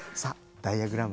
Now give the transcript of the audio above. ダイヤグラム。